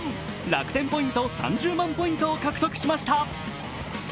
楽天ポイント３０万ポイントを獲得しました。